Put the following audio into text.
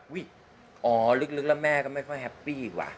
อ๋อลึกแล้วแม่ก็ไม่ค่อยแฮปปี้วะ